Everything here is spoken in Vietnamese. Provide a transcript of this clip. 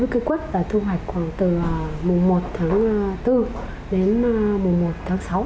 cây quất là thu hoạch khoảng từ mùa một tháng bốn đến mùa một tháng sáu